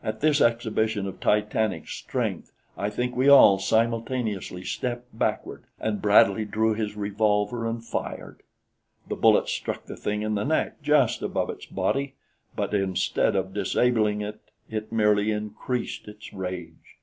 At this exhibition of titanic strength I think we all simultaneously stepped backward, and Bradley drew his revolver and fired. The bullet struck the thing in the neck, just above its body; but instead of disabling it, merely increased its rage.